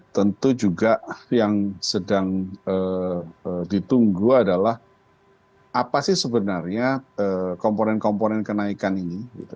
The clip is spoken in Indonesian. tentu juga yang sedang ditunggu adalah apa sih sebenarnya komponen komponen kenaikan ini